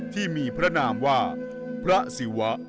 ที่มีพระนามว่าพระศิวะ